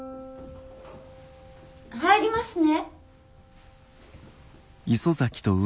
入りますね。